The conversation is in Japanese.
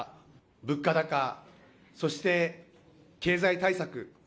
物価高、そして経済対策。